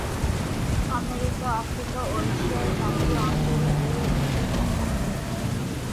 America, Africa ও এশিয়ার ক্রান্তীয় অঞ্চলে এই উদ্ভিদের দেখা মেলে।